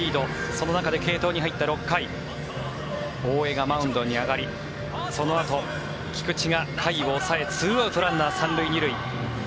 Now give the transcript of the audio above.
その中で継投に入った６回大江がマウンドに上がりそのあと菊地が甲斐を抑え２アウト、ランナー３塁２塁。